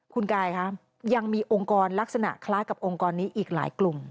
คุณกายคะยังมีองค์กรลักษณะคล้ายกับองค์กรนี้อีกหลายกลุ่ม